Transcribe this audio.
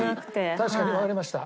確かにわかりました。